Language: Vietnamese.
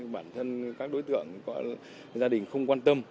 bản thân các đối tượng gia đình không quan tâm